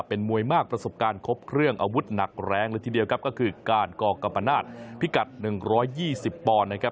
เป็นมวยมากประสบการณ์ครบเครื่องอาวุธหนักแรงเลยทีเดียวครับก็คือการก่อกัมปนาศพิกัด๑๒๐ปอนด์นะครับ